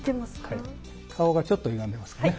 はい顔がちょっとゆがんでますかね。